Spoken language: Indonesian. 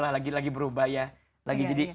sekarang kita sudah berubah lah lagi berubah ya